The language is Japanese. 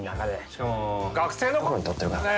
しかも学生の頃に撮ってるからね。